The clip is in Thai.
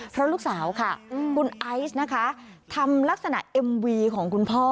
เพราะลูกสาวค่ะคุณไอซ์นะคะทำลักษณะเอ็มวีของคุณพ่อ